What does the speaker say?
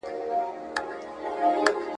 تړون د پلار په لوري پوري نه